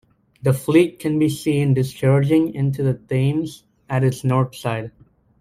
The Fleet can be seen discharging into the Thames at its north side.